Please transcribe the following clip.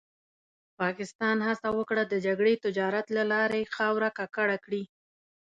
پاکستان هڅه وکړه د جګړې تجارت له لارې خاوره ککړه کړي.